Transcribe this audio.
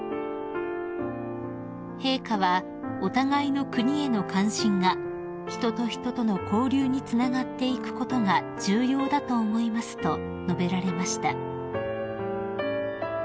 ［陛下は「お互いの国への関心が人と人との交流につながっていくことが重要だと思います」と述べられました］